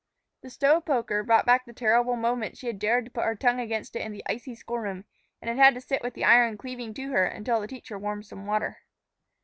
The stove poker brought back the terrible moment she had dared to put her tongue against it in the icy school room, and had had to sit with the iron cleaving to her until the teacher warmed some water.